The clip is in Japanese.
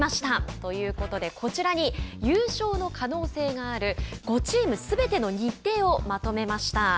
ということでこちらに優勝の可能性がある５チームすべての日程をまとめました。